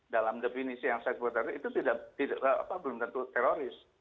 dalam definisi yang saya sebutkan tadi itu tidak apa belum tentu teroris